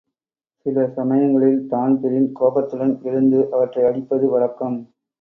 சில சமயங்களில் தான்பரீன் கோபத்துடன் எழுந்து அவற்றை அடிப்பது வழக்கம்.